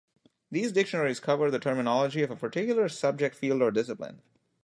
These dictionaries cover the terminology of a particular subject field or discipline.